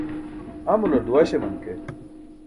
amular duwaśaman ke